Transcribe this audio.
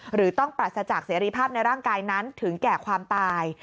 หรือต้องปราศจากเสรีภาพในร่างกายนั้นถึงแก่ความตาย